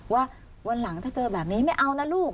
ว่าวันหลังถ้าเจอแบบนี้ไม่เอานะลูก